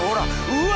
うわ！